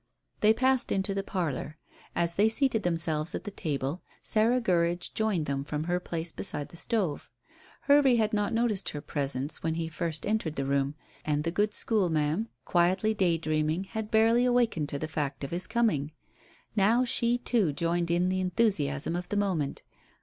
They passed into the parlour. As they seated themselves at the table, Sarah Gurridge joined them from her place beside the stove. Hervey had not noticed her presence when he first entered the room, and the good school ma'am, quietly day dreaming, had barely awakened to the fact of his coming. Now she, too, joined in the enthusiasm of the moment.